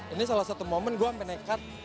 ini salah satu momen gue sampai nekat